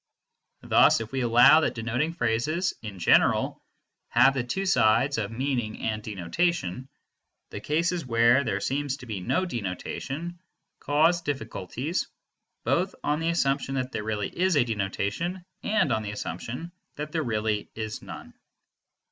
Thus if we allow that denoting phrases, in general, have the two sides of meaning and denotation, the cases where there seems to be no denotation cause difficulties both on the assumption that there really is a denotation and on the assumption that there really is none.